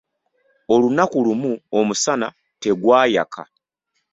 Olunaku lumu, omusana tegwayaka.